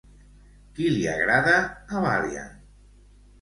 Qui li agrada a Balian?